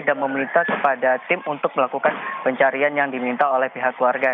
dan meminta kepada tim untuk melakukan pencarian yang diminta oleh pihak warga